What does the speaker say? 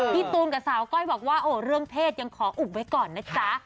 ตูนกับสาวก้อยบอกว่าโอ้เรื่องเพศยังขออุบไว้ก่อนนะจ๊ะ